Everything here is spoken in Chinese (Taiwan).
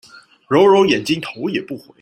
揉揉眼睛頭也不回